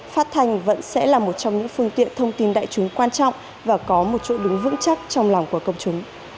phát thanh vẫn sẽ là một trong những phương tiện thông tin đại chúng quan trọng và có một chỗ đứng vững chắc trong lòng của công chúng